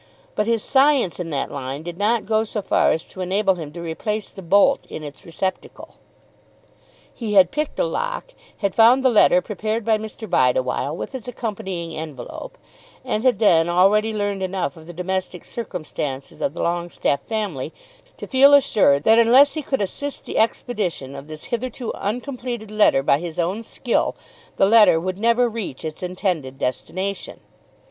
But his science in that line did not go so far as to enable him to replace the bolt in its receptacle. He had picked a lock, had found the letter prepared by Mr. Bideawhile with its accompanying envelope, and had then already learned enough of the domestic circumstances of the Longestaffe family to feel assured that unless he could assist the expedition of this hitherto uncompleted letter by his own skill, the letter would never reach its intended destination.